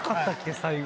最後。